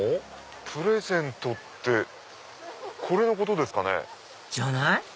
プレゼントってこれのこと？じゃない？